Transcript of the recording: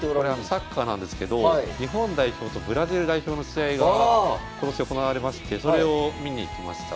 サッカーなんですけど日本代表とブラジル代表の試合が今年行われましてそれを見に行きました。